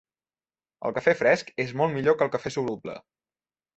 El cafè fresc és molt millor que el cafè soluble.